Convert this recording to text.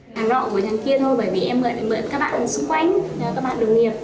làm rõ với thằng kia thôi bởi vì em mượn các bạn xung quanh các bạn đồng nghiệp